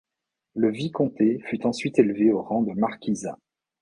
La vicomté fut ensuite élevée au rang de marquisat.